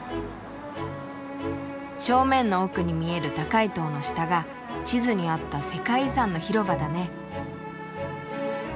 正面の奥に見える高い塔の下が地図にあった世界遺産の広場だね。